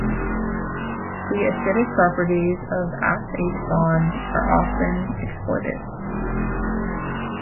The acidic properties of the As-H bond are often exploited.